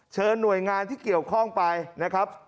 หน่วยงานที่เกี่ยวข้องไปนะครับ